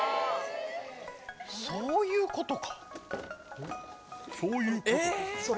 「そういうこと」？